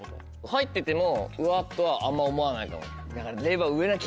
入っててもうわとはあんま思わないかも。